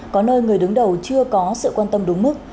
có nơi người đứng đầu chưa có sự quan tâm đúng mức